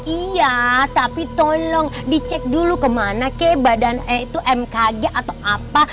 iya tapi tolong dicek dulu kemana ke badan e itu mkg atau apa